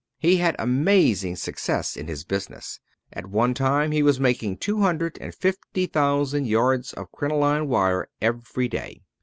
He had amazing success in his business. At one time he was making two hundred and fifty thousand yards of crinoline wire every day.